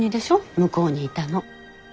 向こうにいたの。